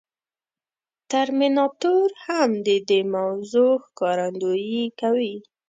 ترمیناتور هم د دې موضوع ښکارندويي کوي.